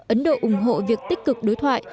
ấn độ ủng hộ việc tích cực đối thoại